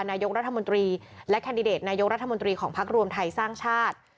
นายกรัฐมนตรีและแคนดิเดตนายกรัฐมนตรีของพักรวมไทยสร้างชาติ